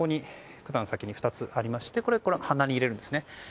管の先に２つありましてこれを鼻に入れるんですね。